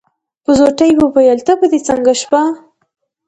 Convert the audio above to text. په زوټه يې وويل: تبه دې څنګه شوه؟